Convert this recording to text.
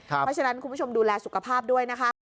เพราะฉะนั้นคุณผู้ชมดูแลสุขภาพด้วยนะคะ